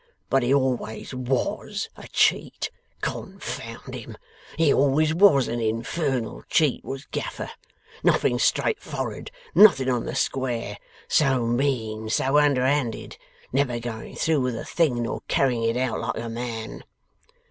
But he always WAS a cheat, con found him! He always was a infernal cheat, was Gaffer. Nothing straightfor'ard, nothing on the square. So mean, so underhanded. Never going through with a thing, nor carrying it out like a man!